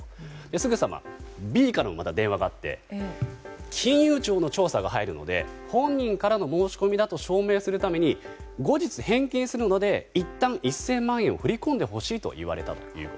すぐさま、Ｂからも電話があって金融庁の調査が入るので本人からの申し込みだと証明するために後日、返金するのでいったん１０００万円を振り込んでほしいと言われたと。